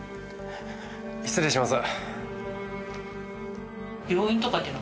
失礼します。